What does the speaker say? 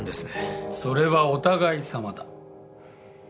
それはお互いさまだ。